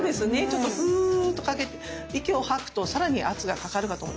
ちょっとフーッとかけて息を吐くと更に圧がかかるかと思います。